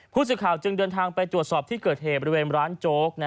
ผู้สื่อข่าวจึงเดินทางไปตรวจสอบที่เกิดเหตุบริเวณร้านโจ๊ก